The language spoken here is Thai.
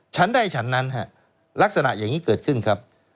ฉันได้ฉันนั้นฮะลักษณะอย่างนี้เกิดขึ้นครับ